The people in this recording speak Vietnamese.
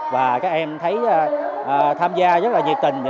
và các em thấy tham gia rất nhiệt tình